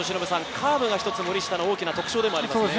カーブが一つ森下の大きな特徴でもありますね。